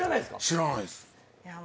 知らないです。